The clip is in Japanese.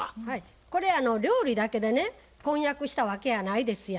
これ料理だけでね婚約したわけやないですや。